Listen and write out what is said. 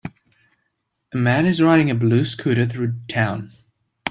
A man is riding a blue scooter through town